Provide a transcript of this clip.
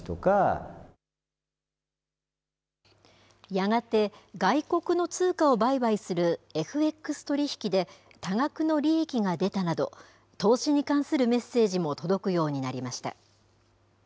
やがて、外国の通貨を売買するＦＸ取引で多額の利益が出たなど、投資に関するメッセージも届くようになりました。